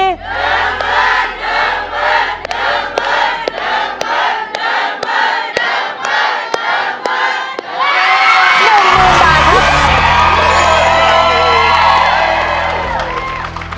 ๑๐๐๐๐บาทครับ